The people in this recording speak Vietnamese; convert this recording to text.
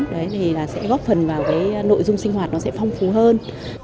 đấy thì là sẽ góp phần vào cái nội dung sinh hoạt nó sẽ phong phú hơn